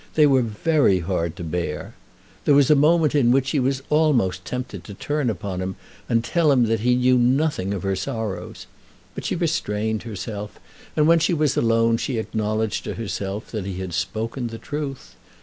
They were very hard to bear. There was a moment in which she was almost tempted to turn upon him and tell him that he knew nothing of her sorrows. But she restrained herself, and when she was alone she acknowledged to herself that he had spoken the truth.